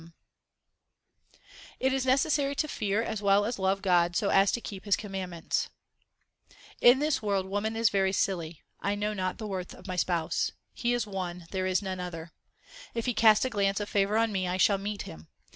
HYMNS OF GURU NANAK 311 It is necessary to fear as well as love God so as to keep His commandments : In this world woman is very silly. I know not the worth of my Spouse ; He is one, there is none other. If He cast a glance of favour on me, I shall meet Him.